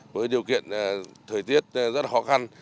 với điều kiện thời tiết rất là khó khăn